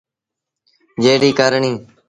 جيڙي ڪرڻيٚ۔